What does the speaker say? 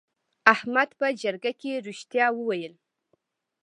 احمد په جرګه کې رښتیا وویل.